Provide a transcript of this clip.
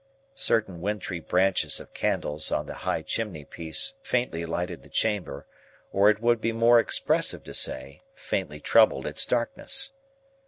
Certain wintry branches of candles on the high chimney piece faintly lighted the chamber; or it would be more expressive to say, faintly troubled its darkness.